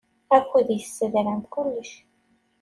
Akud yessedram kullec.